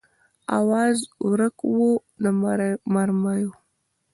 آواز ورک و د مرمیو